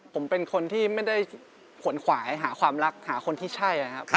ผมเป็นคนที่ไม่ได้ขนขวายหาความรักหาคนที่ใช่นะครับ